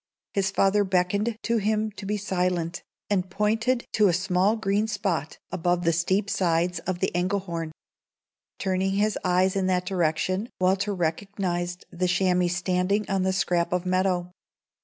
His father beckoned to him to be silent, and pointed to a small green spot above the steep sides of the Engelhorn. Turning his eyes in that direction, Walter recognized the chamois standing on the scrap of meadow.